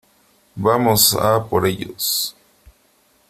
vamos a por ellos .